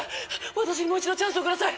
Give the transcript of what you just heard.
私にもう一度チャンスをください！